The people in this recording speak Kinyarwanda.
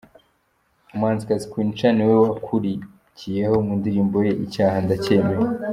Umuhanzikazi Queen Cha niwe wakurikiyeho mu ndirimbo ye "Icyaha ndacyemeye".